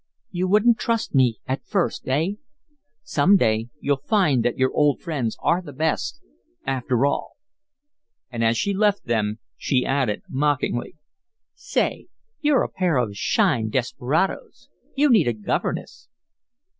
"You wouldn't trust me at first, eh? Some day you'll find that your old friends are the best, after all." And as she left them she added, mockingly: "Say, you're a pair of 'shine' desperadoes. You need a governess."